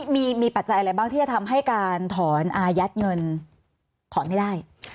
มีปัจจัยอะไรบ้างที่จะทำให้การถอนอายัดเงินถอนไม่ได้